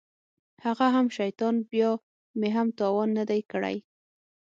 هغه هم شيطان بيا مې هم تاوان نه دى کړى.